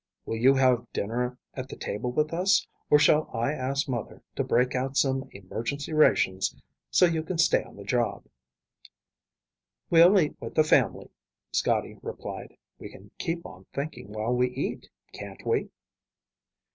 "Will you have dinner at the table with us, or shall I ask mother to break out some emergency rations so you can stay on the job?" "We'll eat with the family," Scotty replied. "We can keep on thinking while we eat, can't we?"